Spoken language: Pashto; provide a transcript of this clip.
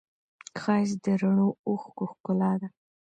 ښایست د رڼو اوښکو ښکلا ده